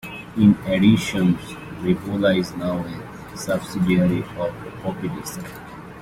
In addition, RevOla is now a subsidiary of PoppyDisc.